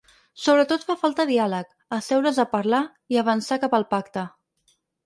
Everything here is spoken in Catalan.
Sobretot fa falta diàleg, asseure’s a parlar i avançar cap al pacte.